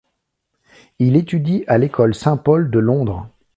Il étudie à l'école Saint-Paul de Londres.